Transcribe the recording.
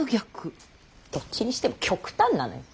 どっちにしても極端なのよ。